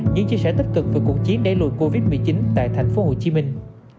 những chia sẻ tích cực về cuộc chiến để lùi covid một mươi chín tại thành phố hồ chí minh